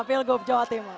pilgub jawa timur